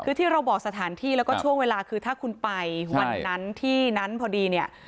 คือที่เราบอกสถานที่แล้วก็ช่วงเวลาคือถ้าคุณไปวันนั้นที่นั้นพอดีเนี่ย